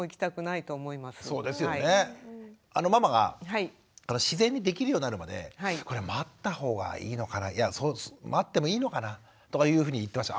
ママが自然にできるようになるまで待った方がいいのかないや待ってもいいのかなとかいうふうに言ってました。